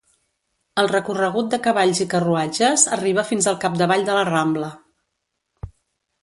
El recorregut de cavalls i carruatges arriba fins al capdavall de la Rambla.